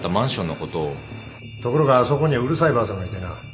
ところがあそこにはうるさいばあさんがいてな